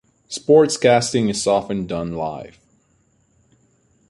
Sports casting is often done live.